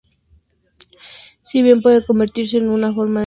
Si bien puede convertirse de una forma de energía en otra.